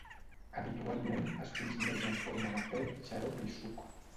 Habitualment, es consumeix en forma de te, xarop i suc.